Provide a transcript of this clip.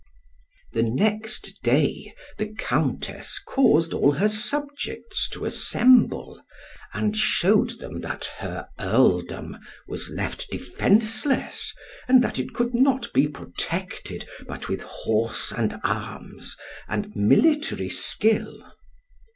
The next day, the Countess caused all her subjects to assemble, and shewed them that her Earldom was left defenceless, and that it could not be protected but with horse and arms, and military skill.